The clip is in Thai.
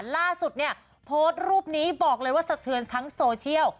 ล่าสุดเนี่ยโพสต์รูปนี้บอกเลยว่าสะเทือนทั้งโซเชียล